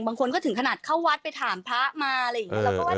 บางคนก็ถึงขนาดเข้าวัดไปถามพระเราก็ว่าดีนะ